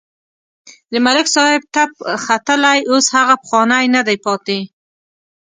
د ملک صاحب تپ ختلی اوس هغه پخوانی نه دی پاتې.